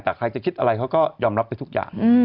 แต่ใครจะคิดอะไรเขาก็ยอมรับไปทุกอย่าง